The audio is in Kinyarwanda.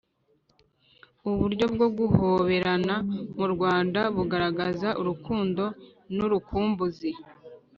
uburyo bwo guhoberana mu rwanda bugaragaza urukundo n‘urukumbuzi